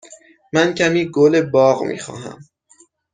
من کمی گل باغ می خواهم.